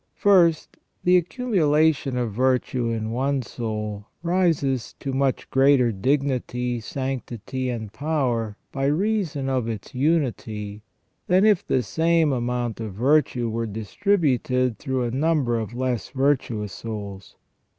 First, the accumulation of virtue in one soul rises to much greater dignity, sanctity, and power, by reason of its unity, than if the same amount of virtue were distributed through a number of less virtuous souls.